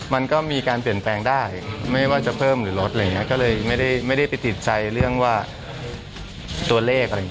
ไม่กลัวว่าจะเป็นอะไรต่างหากลง